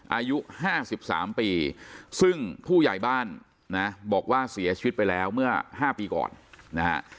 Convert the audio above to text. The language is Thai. อายุ๕๓ปีซึ่งผู้ใหญ่บ้านนะบอกว่าเสียชีวิตไปแล้วเมื่อ๕ปีก่อนนะฮะ